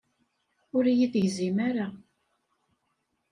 Ur iyi-tegzim ara.